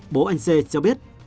bố anh c cho biết